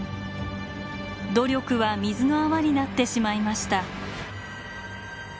努力は水の泡になってしまいました。